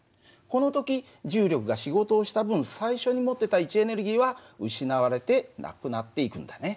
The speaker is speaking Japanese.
この時重力が仕事をした分最初に持ってた位置エネルギーは失われてなくなっていくんだね。